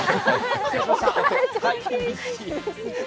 失礼しました。